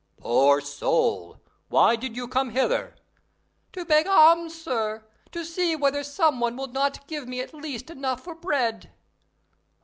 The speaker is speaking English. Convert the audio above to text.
"Poor soul! why did you come hither?" "To beg alms, sir, to see whether some one will not give me at least enough for bread."